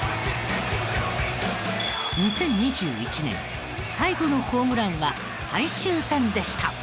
２０２１年最後のホームランは最終戦でした。